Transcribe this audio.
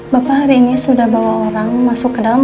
bapak hari ini sudah bawa orang masuk ke dalam